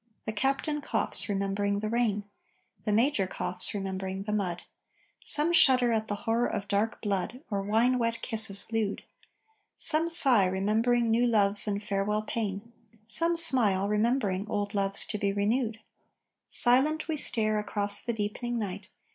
The captain coughs, remembering the rain. The major coughs remembering the mud. Some shudder at the horror of dark blood, Or wine wet kisses, lewd. Some sigh, remembering new loves and farewell pain. Some smile, remembering old loves to be renewed. Silent, we stare across the deepening night.